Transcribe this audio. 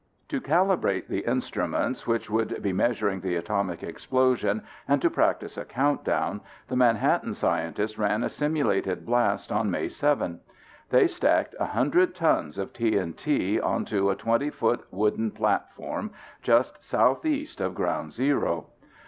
To calibrate the instruments which would be measuring the atomic explosion and to practice a countdown, the Manhattan scientists ran a simulated blast on May 7. They stacked 100 tons of TNT onto a 20 foot wooden platform just southeast of ground zero.